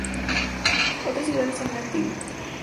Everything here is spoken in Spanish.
Otras ciudades son Anguilla y Cary.